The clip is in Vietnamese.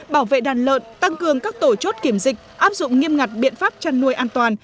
bảo vệ đàn lợn tăng cường các tổ chốt kiểm dịch áp dụng nghiêm ngặt biện pháp chăn nuôi an toàn